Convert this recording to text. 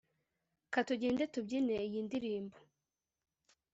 Katugende tubyine iyi ndirimbo